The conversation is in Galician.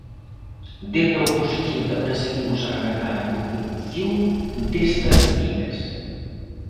Dende a oposición tamén seguimos a agardar a concreción destas medidas.